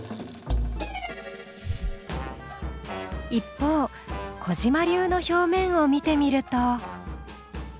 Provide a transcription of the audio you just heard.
一方小嶋流の表面を見てみると。